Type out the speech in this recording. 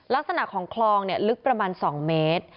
ลักษณะของคลองลึกประมาณ๒เมตร